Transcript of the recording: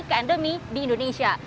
ke endemi di indonesia